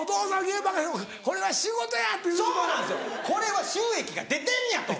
これは収益が出てんや！